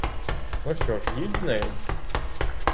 Ну, що ж, їдь з нею!